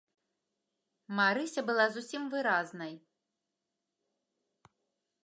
Марыся была зусім выразнай.